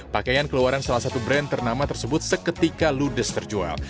pakaian keluaran salah satu brand ternama tersebut seketika ludes terjual